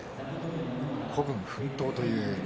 孤軍奮闘という。